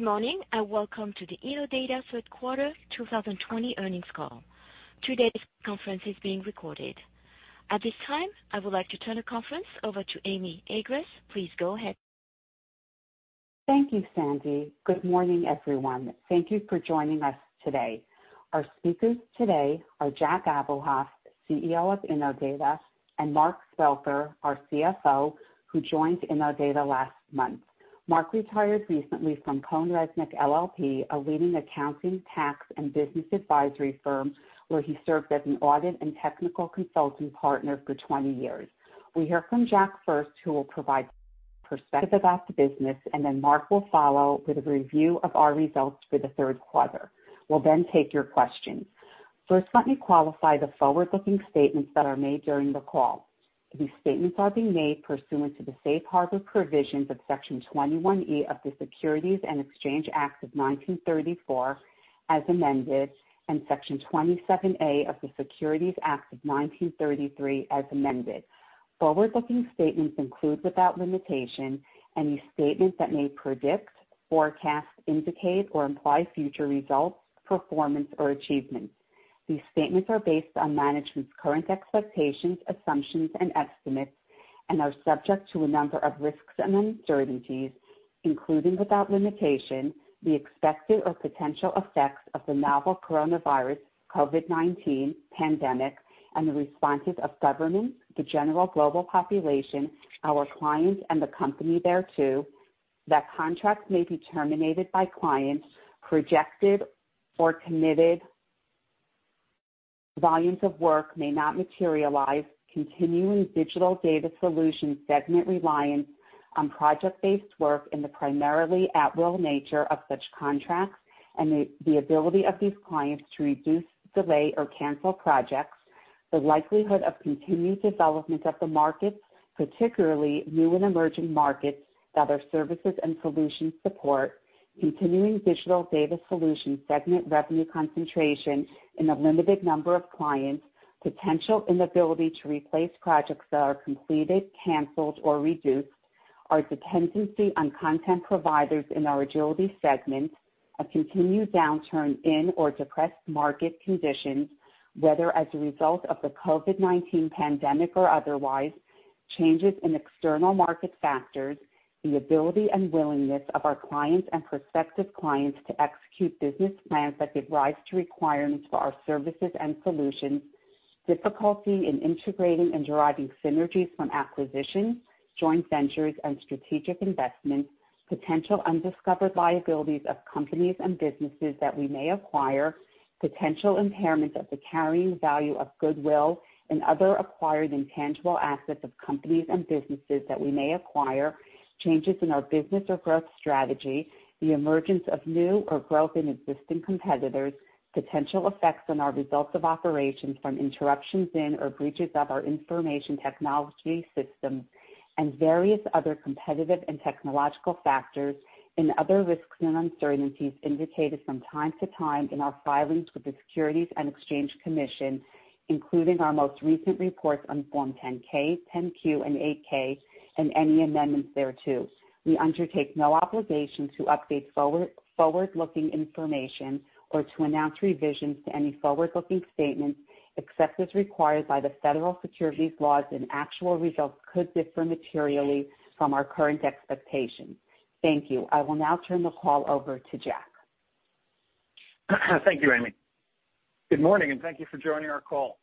Good morning and welcome to the Innodata Third Quarter 2020 Earnings Call. Today's conference is being recorded. At this time, I would like to turn the conference over to Amy Agress. Please go ahead. Thank you, Stacy. Good morning, everyone. Thank you for joining us today. Our speakers today are Jack Abuhoff, CEO of Innodata, and Mark Spelker, our CFO, who joined Innodata last month. Mark retired recently from CohnReznick LLP, a leading accounting, tax, and business advisory firm where he served as an audit and technical consulting partner for 20 years. We hear from Jack first, who will provide perspective about the business, and then Mark will follow with a review of our results for the third quarter. We'll then take your questions. First, let me qualify the forward-looking statements that are made during the call. These statements are being made pursuant to the safe harbor provisions of Section 21E of the Securities Exchange Act of 1934 as amended, and Section 27A of the Securities Act of 1933 as amended. Forward-looking statements include without limitation any statement that may predict, forecast, indicate, or imply future results, performance, or achievements. These statements are based on management's current expectations, assumptions, and estimates, and are subject to a number of risks and uncertainties, including without limitation the expected or potential effects of the novel coronavirus, COVID-19 pandemic, and the responses of government, the general global population, our clients, and the company thereto that contracts may be terminated by clients, projected or committed, volumes of work may not materialize, continuing Digital Data Solutions segment reliance on project-based work, and the primarily at-will nature of such contracts, and the ability of these clients to reduce, delay, or cancel projects, the likelihood of continued development of the markets, particularly new and emerging markets that our services and solutions support, continuing Digital Data Solutions segment revenue concentration in a limited number of clients, potential inability to replace projects that are completed, canceled, or reduced, our dependency on content providers in our Agility segment, a continued downturn in or depressed market conditions, whether as a result of the COVID-19 pandemic or otherwise, changes in external market factors, the ability and willingness of our clients and prospective clients to execute business plans that give rise to requirements for our services and solutions, difficulty in integrating and deriving synergies from acquisitions, joint ventures, and strategic investments, potential undiscovered liabilities of companies and businesses that we may acquire, potential impairment of the carrying value of goodwill and other acquired intangible assets of companies and businesses that we may acquire, changes in our business or growth strategy, the emergence of new or growth in existing competitors, potential effects on our results of operations from interruptions in or breaches of our information technology systems, and various other competitive and technological factors, and other risks and uncertainties indicated from time to time in our filings with the Securities and Exchange Commission, including our most recent reports on Form 10-K, Form 10-Q, and Form 8-K, and any amendments thereto. We undertake no obligation to update forward-looking information or to announce revisions to any forward-looking statements except as required by the federal securities laws, and actual results could differ materially from our current expectations. Thank you. I will now turn the call over to Jack. Thank you, Amy. Good morning, and thank you for joining our call.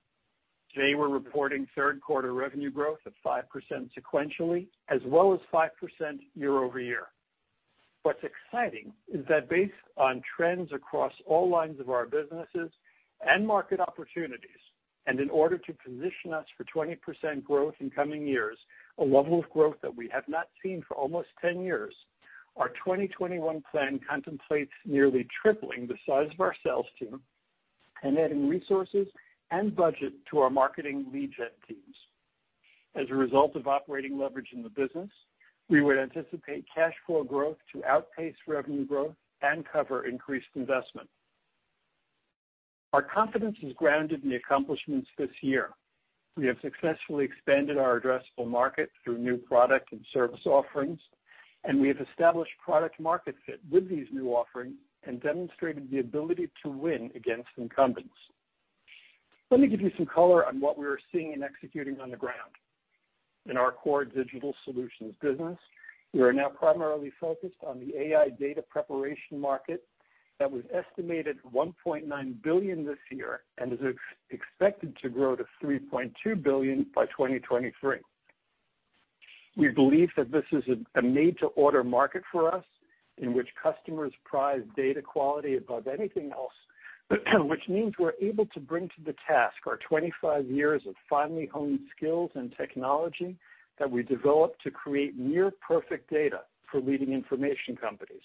Today, we're reporting third quarter revenue growth of 5% sequentially as well as 5% year over year. What's exciting is that based on trends across all lines of our businesses and market opportunities, and in order to position us for 20% growth in coming years, a level of growth that we have not seen for almost 10 years, our 2021 plan contemplates nearly tripling the size of our sales team and adding resources and budget to our marketing lead gen teams. As a result of operating leverage in the business, we would anticipate cash flow growth to outpace revenue growth and cover increased investment. Our confidence is grounded in the accomplishments this year. We have successfully expanded our addressable market through new product and service offerings, and we have established product-market fit with these new offerings and demonstrated the ability to win against incumbents. Let me give you some color on what we are seeing and executing on the ground. In our core Digital Solutions business, we are now primarily focused on the AI data preparation market that was estimated at $1.9 billion this year and is expected to grow to $3.2 billion by 2023. We believe that this is a made-to-order market for us in which customers prize data quality above anything else, which means we're able to bring to the task our 25 years of finely honed skills and technology that we developed to create near-perfect data for leading information companies.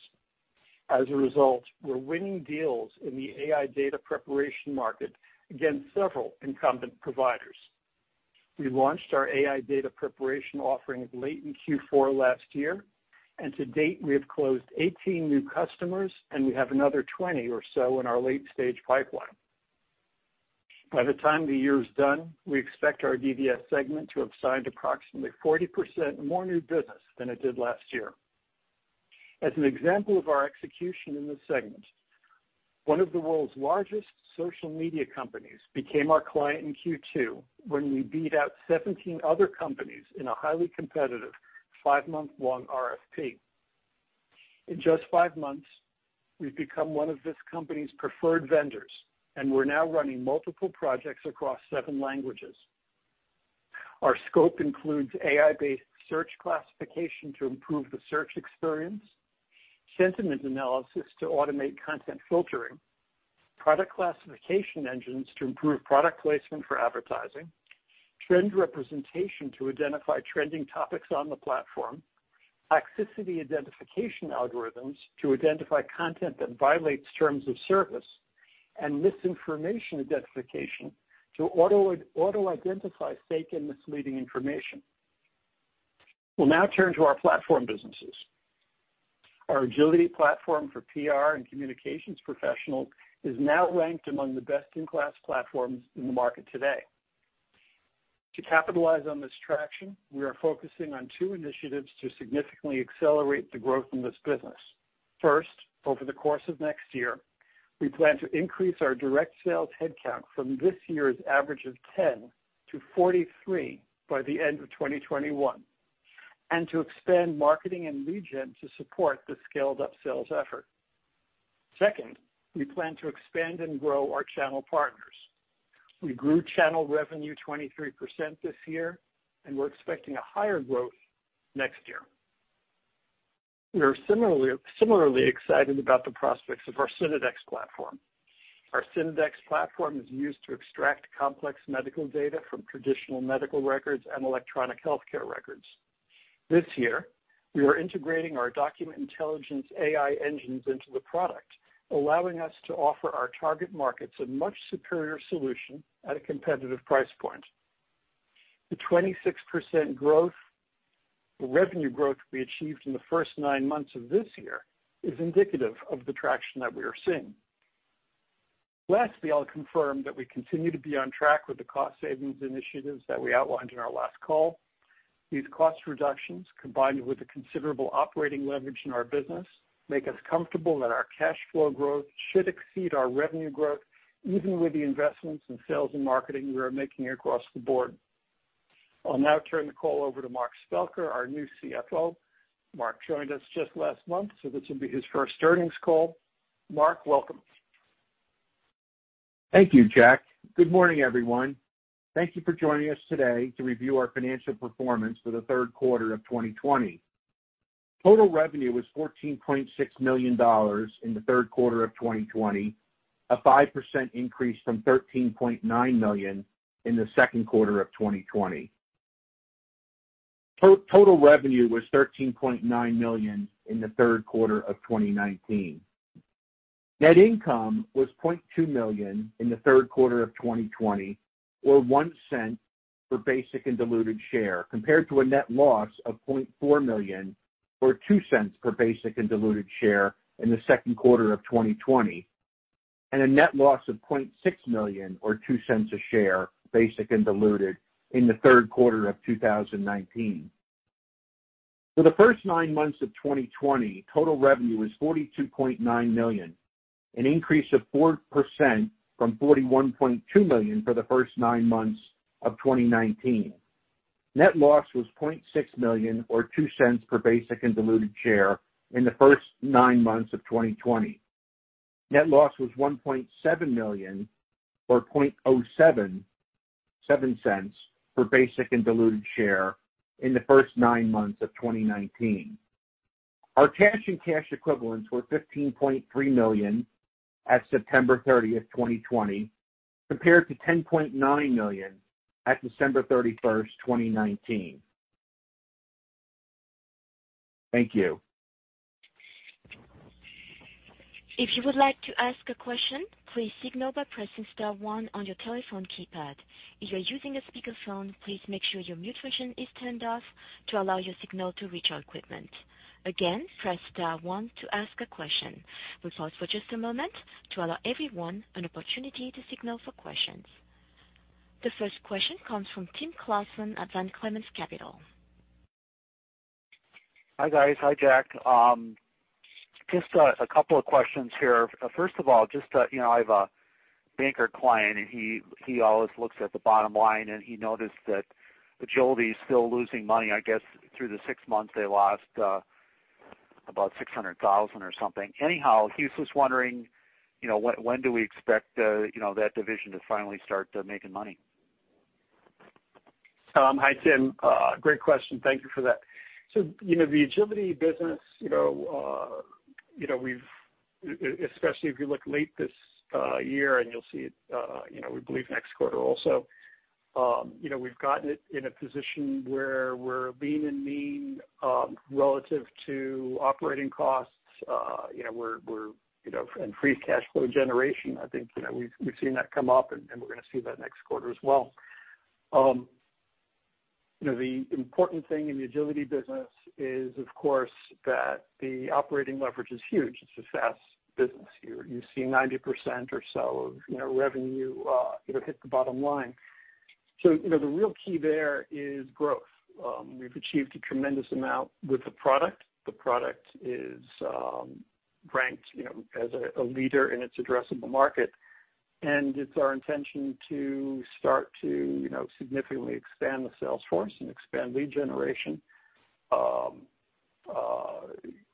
As a result, we're winning deals in the AI data preparation market against several incumbent providers. We launched our AI data preparation offering late in Q4 last year, and to date, we have closed 18 new customers, and we have another 20 or so in our late-stage pipeline. By the time the year is done, we expect our DDS segment to have signed approximately 40% more new business than it did last year. As an example of our execution in this segment, one of the world's largest social media companies became our client in Q2 when we beat out 17 other companies in a highly competitive five-month-long RFP. In just five months, we've become one of this company's preferred vendors, and we're now running multiple projects across seven languages. Our scope includes AI-based search classification to improve the search experience, sentiment analysis to automate content filtering, product classification engines to improve product placement for advertising, trend representation to identify trending topics on the platform, toxicity identification algorithms to identify content that violates terms of service, and misinformation identification to auto-identify fake and misleading information. We'll now turn to our platform businesses. Our Agility platform for PR and communications professionals is now ranked among the best-in-class platforms in the market today. To capitalize on this traction, we are focusing on two initiatives to significantly accelerate the growth in this business. First, over the course of next year, we plan to increase our direct sales headcount from this year's average of 10 to 43 by the end of 2021, and to expand marketing and lead gen to support the scaled-up sales effort. Second, we plan to expand and grow our channel partners. We grew channel revenue 23% this year, and we're expecting a higher growth next year. We are similarly excited about the prospects of our Synodex platform. Our Synodex platform is used to extract complex medical data from traditional medical records and electronic healthcare records. This year, we are integrating our document intelligence AI engines into the product, allowing us to offer our target markets a much superior solution at a competitive price point. The 26% revenue growth we achieved in the first nine months of this year is indicative of the traction that we are seeing. Lastly, I'll confirm that we continue to be on track with the cost savings initiatives that we outlined in our last call. These cost reductions, combined with the considerable operating leverage in our business, make us comfortable that our cash flow growth should exceed our revenue growth, even with the investments in sales and marketing we are making across the board. I'll now turn the call over to Mark Spelker, our new CFO. Mark joined us just last month, so this will be his first earnings call. Mark, welcome. Thank you, Jack. Good morning, everyone. Thank you for joining us today to review our financial performance for the third quarter of 2020. Total revenue was $14.6 million in the third quarter of 2020, a 5% increase from $13.9 million in the second quarter of 2020. Total revenue was $13.9 million in the third quarter of 2019. Net income was $0.2 million in the third quarter of 2020, or $0.01 per basic and diluted share, compared to a net loss of $0.4 million, or $0.02 per basic and diluted share in the second quarter of 2020, and a net loss of $0.6 million, or $0.02 a share, basic and diluted, in the third quarter of 2019. For the first nine months of 2020, total revenue was $42.9 million, an increase of 4% from $41.2 million for the first nine months of 2019. Net loss was $0.6 million, or $0.02 per basic and diluted share in the first nine months of 2020. Net loss was $1.7 million, or $0.07 per basic and diluted share in the first nine months of 2019. Our cash and cash equivalents were $15.3 million at September 30, 2020, compared to $10.9 million at December 31, 2019. Thank you. If you would like to ask a question, please signal by pressing star one on your telephone keypad. If you're using a speakerphone, please make sure your mute function is turned off to allow your signal to reach our equipment. Again, press star one to ask a question. We'll pause for just a moment to allow everyone an opportunity to signal for questions. The first question comes from Tim Clarkson at Van Clemens Capital. Hi, guys. Hi, Jack. Just a couple of questions here. First of all, just I have a banker client, and he always looks at the bottom line, and he noticed that Agility is still losing money, I guess, through the six months they lost about $600,000 or something. Anyhow, he was just wondering, when do we expect that division to finally start making money? Hi, Tim. Great question. Thank you for that. So the Agility business, especially if you look late this year, and you'll see it, we believe, next quarter also, we've gotten it in a position where we're lean and mean relative to operating costs and free cash flow generation. I think we've seen that come up, and we're going to see that next quarter as well. The important thing in the Agility business is, of course, that the operating leverage is huge. It's a SaaS business. You see 90% or so of revenue hit the bottom line. So the real key there is growth. We've achieved a tremendous amount with the product. The product is ranked as a leader in its addressable market, and it's our intention to start to significantly expand the sales force and expand lead generation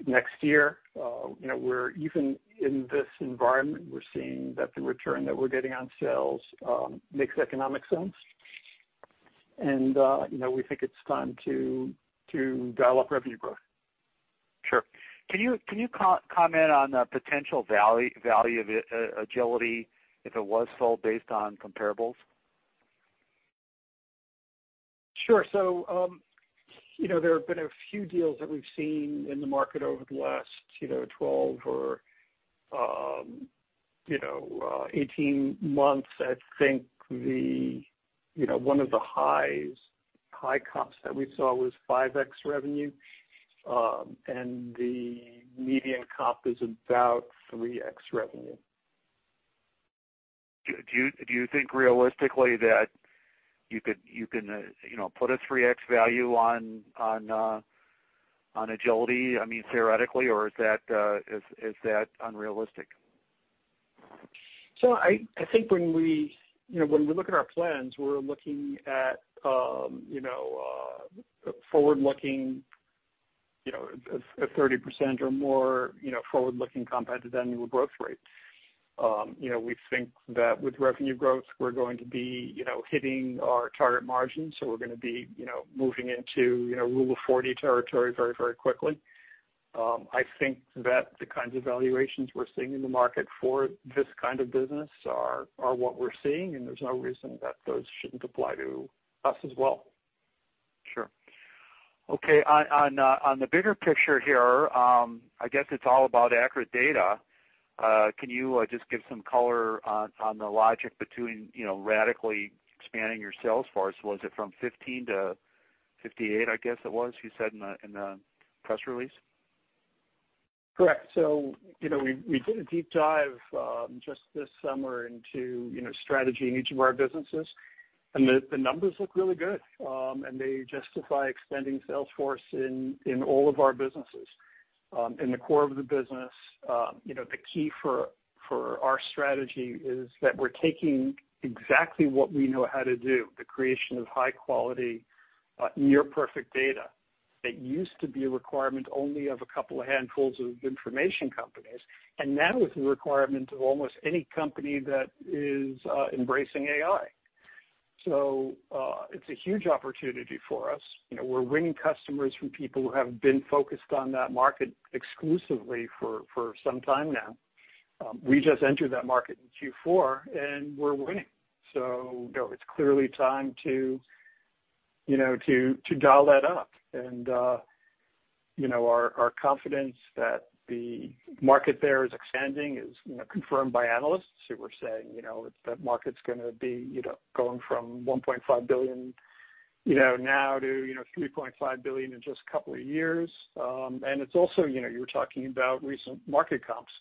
next year. Even in this environment, we're seeing that the return that we're getting on sales makes economic sense, and we think it's time to dial up revenue growth. Sure. Can you comment on the potential value of Agility, if it was sold based on comparables? Sure, so there have been a few deals that we've seen in the market over the last 12 or 18 months. I think one of the high comps that we saw was 5X revenue, and the median comp is about 3X revenue. Do you think realistically that you can put a 3X value on Agility, I mean, theoretically, or is that unrealistic? I think when we look at our plans, we're looking at forward-looking a 30% or more forward-looking compounded annual growth rate. We think that with revenue growth, we're going to be hitting our target margin, so we're going to be moving into Rule of 40 territory very, very quickly. I think that the kinds of valuations we're seeing in the market for this kind of business are what we're seeing, and there's no reason that those shouldn't apply to us as well. Sure. Okay. On the bigger picture here, I guess it's all about accurate data. Can you just give some color on the logic between radically expanding your sales force? Was it from 15 to 58, I guess it was, you said in the press release? Correct. So we did a deep dive just this summer into strategy in each of our businesses, and the numbers look really good, and they justify expanding sales force in all of our businesses. In the core of the business, the key for our strategy is that we're taking exactly what we know how to do, the creation of high-quality, near-perfect data that used to be a requirement only of a couple of handfuls of information companies, and now it's a requirement of almost any company that is embracing AI. So it's a huge opportunity for us. We're winning customers from people who have been focused on that market exclusively for some time now. We just entered that market in Q4, and we're winning. So it's clearly time to dial that up. And our confidence that the market there is expanding is confirmed by analysts who were saying that market's going to be going from $1.5 billion now to $3.5 billion in just a couple of years. And it's also you were talking about recent market comps.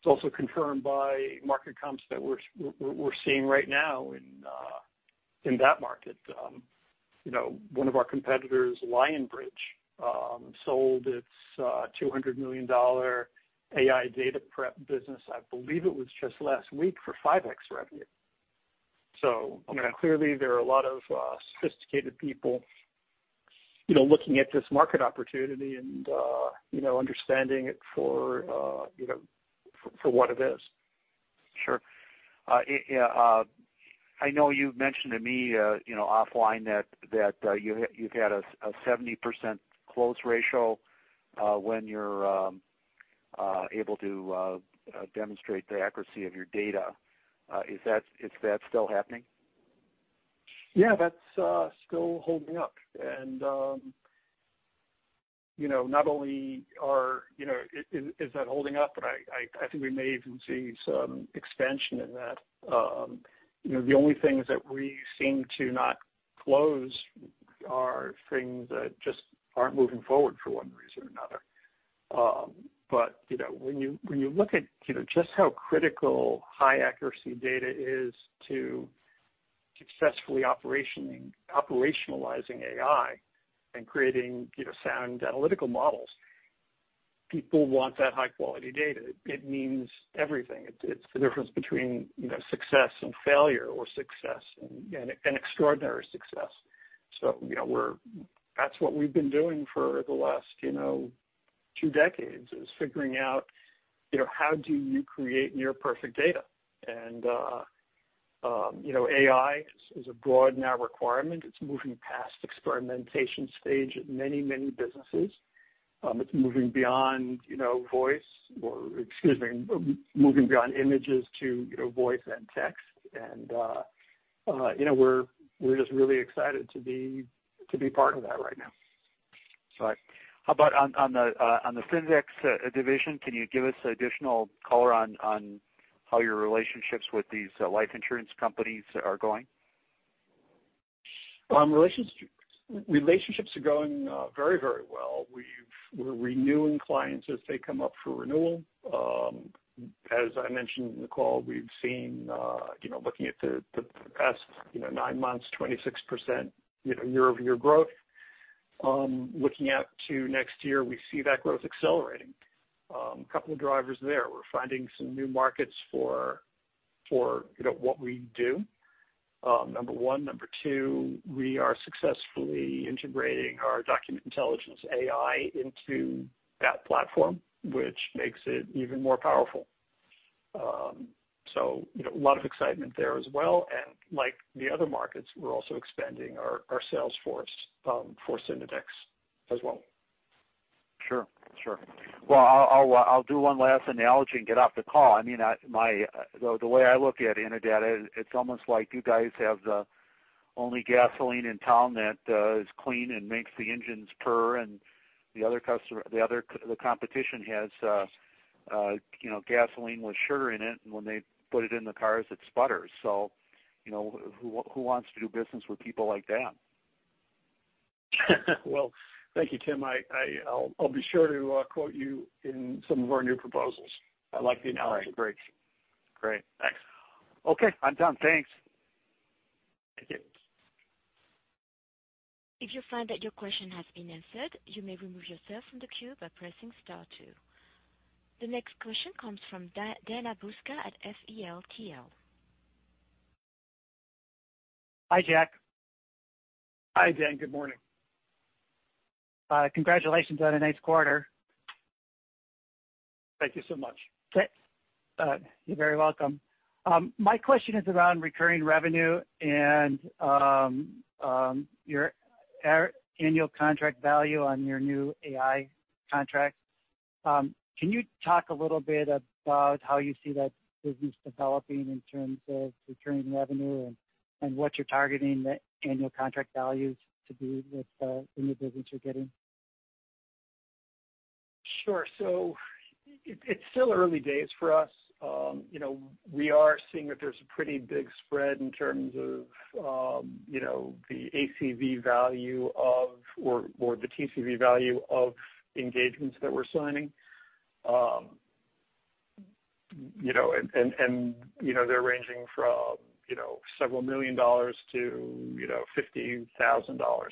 It's also confirmed by market comps that we're seeing right now in that market. One of our competitors, Lionbridge, sold its $200 million AI data prep business, I believe it was just last week, for 5X revenue. So clearly, there are a lot of sophisticated people looking at this market opportunity and understanding it for what it is. Sure. I know you mentioned to me offline that you've had a 70% close ratio when you're able to demonstrate the accuracy of your data. Is that still happening? Yeah, that's still holding up, and not only is that holding up, but I think we may even see some expansion in that. The only things that we seem to not close are things that just aren't moving forward for one reason or another, but when you look at just how critical high-accuracy data is to successfully operationalizing AI and creating sound analytical models, people want that high-quality data. It means everything. It's the difference between success and failure, or success and extraordinary success, so that's what we've been doing for the last two decades, is figuring out how do you create near-perfect data, and AI is a broad now requirement. It's moving past experimentation stage at many, many businesses. It's moving beyond voice or, excuse me, moving beyond images to voice and text, and we're just really excited to be part of that right now. All right. How about on the Synodex division? Can you give us additional color on how your relationships with these life insurance companies are going? Relationships are going very, very well. We're renewing clients as they come up for renewal. As I mentioned in the call, we've seen, looking at the past nine months, 26% year-over-year growth. Looking out to next year, we see that growth accelerating. A couple of drivers there. We're finding some new markets for what we do, number one. Number two, we are successfully integrating our Document Intelligence AI into that platform, which makes it even more powerful. So a lot of excitement there as well. And like the other markets, we're also expanding our sales force for Synodex as well. Sure. Sure. Well, I'll do one last analogy and get off the call. I mean, the way I look at Innodata, it's almost like you guys have the only gasoline in town that is clean and makes the engine spur. And the other competition has gasoline with sugar in it, and when they put it in the cars, it sputters. So who wants to do business with people like that? Thank you, Tim. I'll be sure to quote you in some of our new proposals. I like the analogy. All right. Great. Great. Thanks. Okay. I'm done. Thanks. Thank you. If you find that your question has been answered, you may remove yourself from the queue by pressing star two. The next question comes from Dana Buska at Feltl. Hi, Jack. Hi, Dan. Good morning. Congratulations on a nice quarter. Thank you so much. You're very welcome. My question is around recurring revenue and your annual contract value on your new AI contract. Can you talk a little bit about how you see that business developing in terms of recurring revenue and what you're targeting the annual contract values to be with the new business you're getting? Sure. So it's still early days for us. We are seeing that there's a pretty big spread in terms of the ACV value of or the TCV value of engagements that we're signing. And they're ranging from several million dollars to $50,000.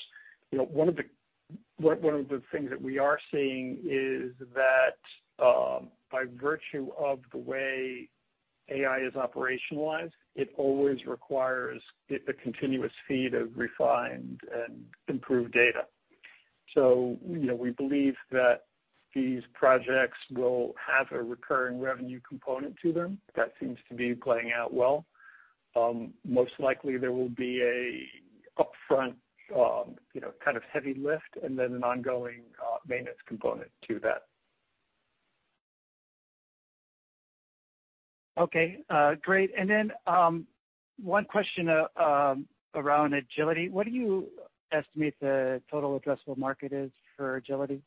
One of the things that we are seeing is that by virtue of the way AI is operationalized, it always requires a continuous feed of refined and improved data. So we believe that these projects will have a recurring revenue component to them. That seems to be playing out well. Most likely, there will be an upfront kind of heavy lift and then an ongoing maintenance component to that. Okay. Great. And then one question around Agility. What do you estimate the total addressable market is for Agility?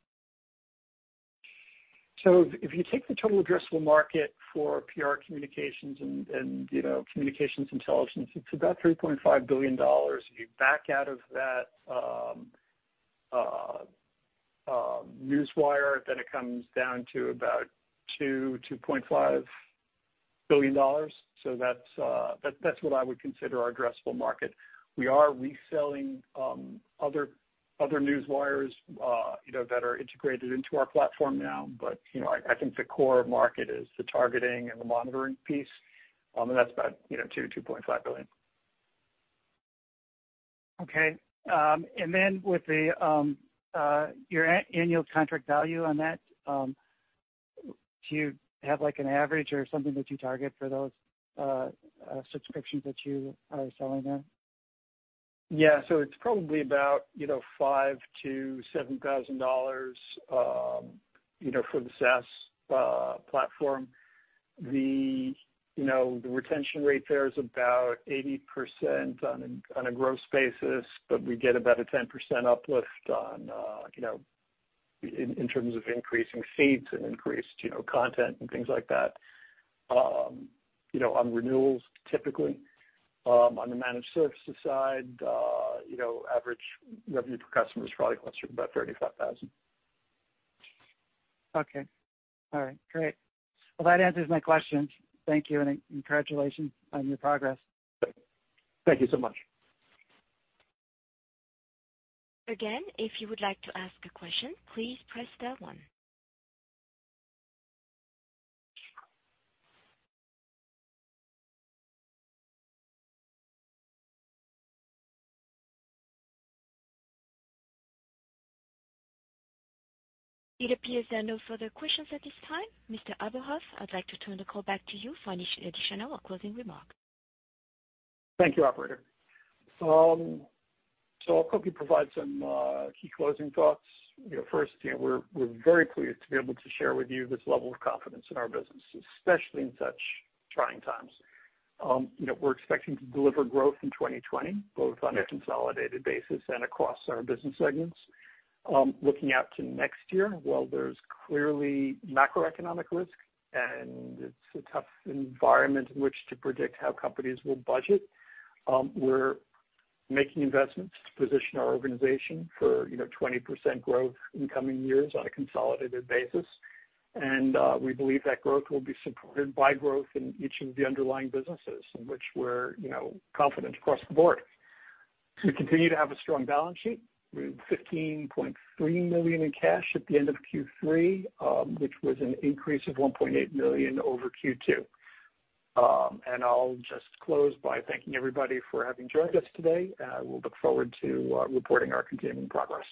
If you take the total addressable market for PR communications and communications intelligence, it's about $3.5 billion. If you back out of that newswire, then it comes down to about $2-$2.5 billion. That's what I would consider our addressable market. We are reselling other newswires that are integrated into our platform now, but I think the core market is the targeting and the monitoring piece, and that's about $2-$2.5 billion. Okay. And then with your annual contract value on that, do you have an average or something that you target for those subscriptions that you are selling there? Yeah. So it's probably about $5,000-$7,000 for the SaaS platform. The retention rate there is about 80% on a gross basis, but we get about a 10% uplift in terms of increasing seats and increased content and things like that on renewals, typically. On the managed services side, average revenue per customer is probably closer to about $35,000. Okay. All right. Great. Well, that answers my questions. Thank you, and congratulations on your progress. Thank you so much. Again, if you would like to ask a question, please press star one. It appears there are no further questions at this time. Mr. Abuhoff, I'd like to turn the call back to you for any additional or closing remarks. Thank you, Operator. So I'll quickly provide some key closing thoughts. First, we're very pleased to be able to share with you this level of confidence in our business, especially in such trying times. We're expecting to deliver growth in 2020, both on a consolidated basis and across our business segments. Looking out to next year, while there's clearly macroeconomic risk and it's a tough environment in which to predict how companies will budget, we're making investments to position our organization for 20% growth in coming years on a consolidated basis. And we believe that growth will be supported by growth in each of the underlying businesses in which we're confident across the board. We continue to have a strong balance sheet. We're $15.3 million in cash at the end of Q3, which was an increase of $1.8 million over Q2. And I'll just close by thanking everybody for having joined us today. We'll look forward to reporting our continuing progress.